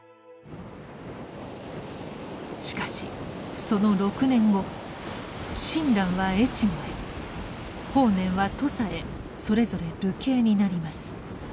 しかしその６年後親鸞は越後へ法然は土佐へそれぞれ流刑になります。